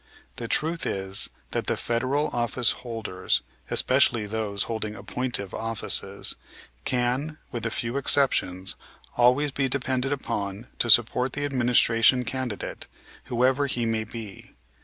The truth is that the federal office holders especially those holding appointive offices, can, with a few exceptions, always be depended upon to support the Administration candidate, whoever he may be.